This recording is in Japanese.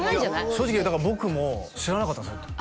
正直僕も知らなかったんですよ